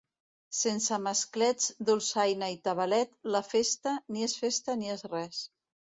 Sense masclets, dolçaina i tabalet, la festa, ni és festa, ni és res.